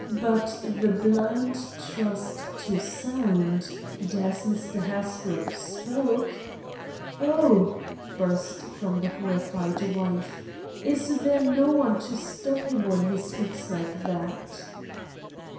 But the blind trust to sound, and as Mr. Hasbrouck spoke——" "Oh!" burst from the horrified wife, "is there no one to stop him when he speaks like that?"